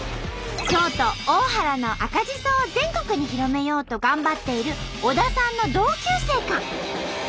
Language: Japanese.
京都大原の赤じそを全国に広めようと頑張っている小田さんの同級生か。